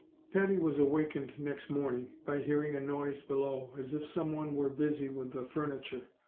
Patty was awakened next morning by hearing a noise below, as if some one were busy with the furniture.